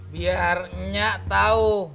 biar nya tahu